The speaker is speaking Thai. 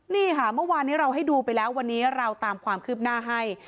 นี่ค่ะเมื่อวานนี้เราให้ดูไปแล้ววันนี้เราตามความคืบหน้าให้